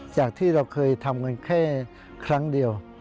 จากที่เราเคยทำกันแค่ครั้งเดียว